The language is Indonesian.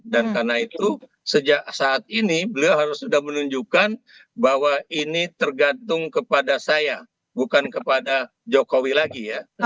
dan karena itu sejak saat ini beliau harus sudah menunjukkan bahwa ini tergantung kepada saya bukan kepada jokowi lainnya